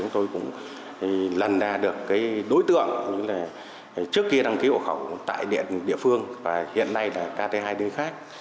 trước khi đăng ký hộ khẩu tại địa phương và hiện nay là kt hai đến khác